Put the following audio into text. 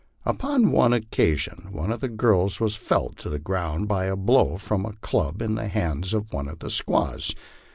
Upon one occasion one of the girls was felled to the ground by a blow from a club in the hands of one of the squaws.